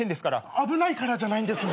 危ないからじゃないんですね。